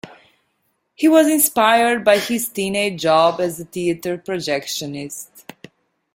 He was inspired by his teenage job as a theater projectionist.